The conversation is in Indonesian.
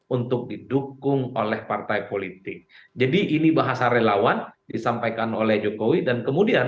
untuk didukung oleh partai politik jadi ini bahasa relawan disampaikan oleh jokowi dan kemudian